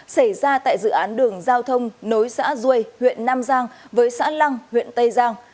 xảy ra tại dự án đường giao thông nối xã duây huyện nam giang với xã lăng huyện tây giang